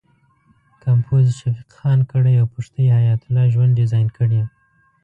کمپوز یې شفیق خان کړی او پښتۍ یې حیات الله ژوند ډیزاین کړې.